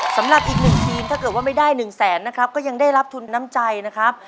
สำหรับยิ่งหนึ่งทีถ้าไม่ได้๑แสนก็ยังได้รับทุนน้ำใจนะครับ